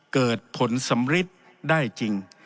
เกิดผลสำริดได้จริง